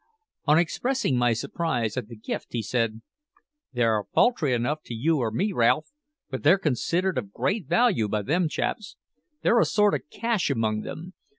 On expressing my surprise at the gift, he said: "They're paltry enough to you or me, Ralph, but they're considered of great value by them chaps. They're a sort o' cash among them.